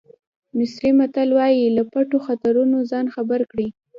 مصري متل وایي له پټو خطرونو ځان خبر کړئ.